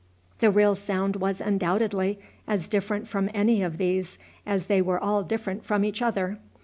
The real sound was undoubtedly as different from any of these as they were all different from each other.